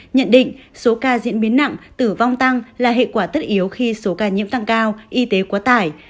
nhận định số ca diễn biến nặng tử vong tăng là hệ quả tất yếu khi số ca nhiễm tăng cao y tế quá tải